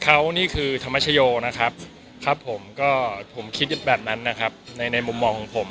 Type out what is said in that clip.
เขานี่คือธรรมชโยนะครับครับผมก็ผมคิดแบบนั้นนะครับในในมุมมองของผม